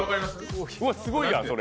うわ、すごいやん、それ！